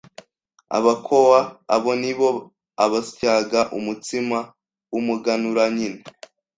Abakowa abo ni bo absyaga umutsima w’umuganura nyine